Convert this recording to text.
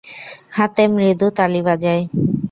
হাতে মৃদু তালি বাজায়।